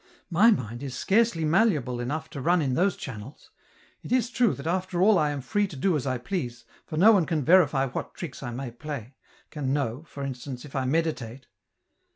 My mind is scarcely malleable enough to run in those channels — it is true that after all I am free to do as 1 please, for no one can verify what tricks I may play, can know, for instance, if I meditate.